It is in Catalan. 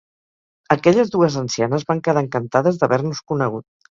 Aquelles dues ancianes van quedar encantades d'haver-nos conegut.